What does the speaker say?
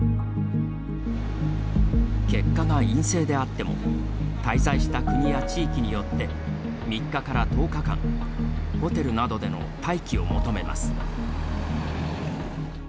結果が陰性であっても滞在した国や地域によって３日から１０日間ホテルなどでの待機を求めます。